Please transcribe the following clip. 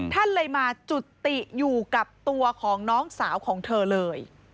ท่านเลยมาจุติอยู่กับตัวของน้องสาวของเธอเลย